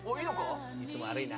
いつも悪いな。